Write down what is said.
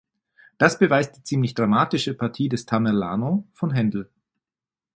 Das beweist die ziemlich dramatische Partie des "Tamerlano" von Händel.